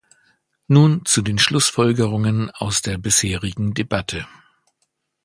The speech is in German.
Nun zu den Schlussfolgerungen aus der bisherigen Debatte.